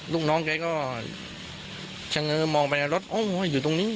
ลูกน้องใกล้ก็ชังเงินมองไปในรถอ้ออยู่ตรงนี้